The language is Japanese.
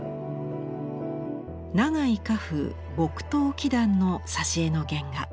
永井荷風「東綺譚」の挿絵の原画。